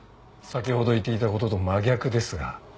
先ほど言っていたことと真逆ですが？